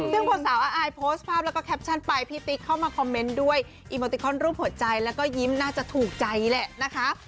ซึ่งพอสาวอายโพสต์ภาพแล้วก็แคปชั่นไปพี่ติ๊กเข้ามาคอมเมนต์ด้วยอีโมติคอนรูปหัวใจแล้วก็ยิ้มน่าจะถูกใจแหละนะคะ